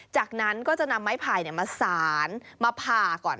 จากนั้นก็จะนำไม้ไผ่มาสารมาผ่าก่อน